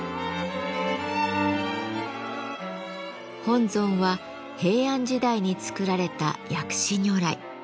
本尊は平安時代に作られた薬師如来。